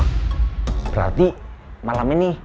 fik dong pak bos ngelamar ibu nawang